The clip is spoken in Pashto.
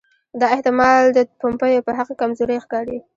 دا احتمال د پومپیو په حق کې کمزوری ښکاري.